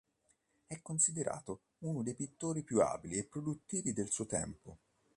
È considerato uno dei pittori più abili e produttivi del suo tempo.